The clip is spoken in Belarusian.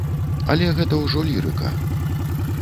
Але гэта ўжо лірыка.